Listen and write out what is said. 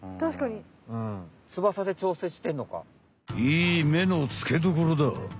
いい目のつけどころだ。